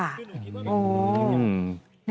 โอ้นี่แหละค่ะ